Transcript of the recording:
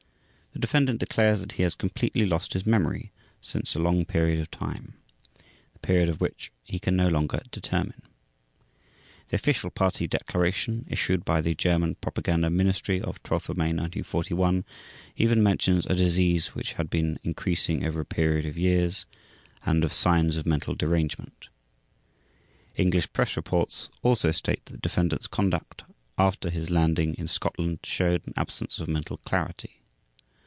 The defendant declares that he has completely lost his memory since a long period of time, the period of which he can no longer determine. The official Party declaration issued by the German Propaganda Ministry of 12 May 1941 even mentions "a disease which had been increasing over a period of years" and of "signs of mental derangement". English press reports also state that defendant's conduct after his landing in Scotland showed an absence of "mental clarity".